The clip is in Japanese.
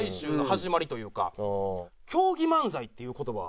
競技漫才っていう言葉